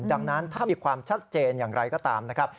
ดังนั้นถ้ามีความชัดเจนอย่างไรก็ตามนะครับ